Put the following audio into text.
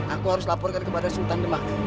aku harus laporkan kepada sultan demak